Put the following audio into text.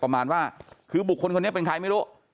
ประมาณว่าคือบุคคลคนนี้เป็นใครไม่รู้